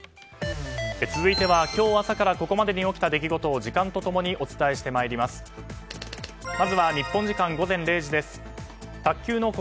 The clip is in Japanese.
渡辺さん続いては今日朝からここまでに起きた出来事を時間と共にお伝えしてまいります。